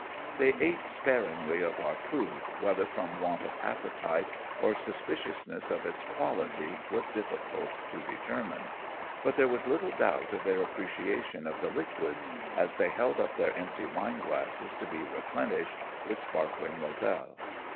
They ate sparingly of our food, whether from want of appetite or suspiciousness of its quality was diflBcult to determine ; but there was little doubt of their appreciation of the liquids, as they held up their empty wineglasses to be replenished with sparkling Moselle.